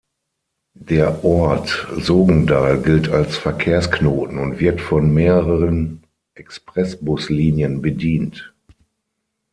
Der Ort Sogndal gilt als Verkehrsknoten und wird von mehreren Expressbus-Linien bedient.